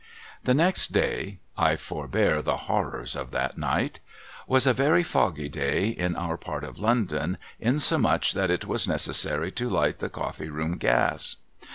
The next day — I forbear the horrors of that night — was a very foggy day in our part of London, insomuch that it was necessary to light the Coffee room gas.